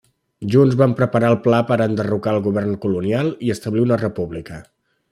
Junts van preparar el pla per a enderrocar al govern colonial i establir una República.